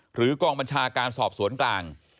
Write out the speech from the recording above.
หรือกลางบัญชาการสอบสวนกลาง